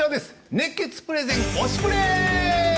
熱血プレゼン「推しプレ！」。